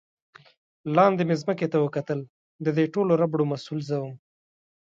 لاندې مې ځمکې ته وکتل، د دې ټولو ربړو مسؤل زه ووم.